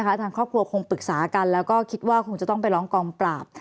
ทางครอบครัวคงปรึกษากันแล้วก็คิดว่าคงจะต้องไปร้องกองปราบ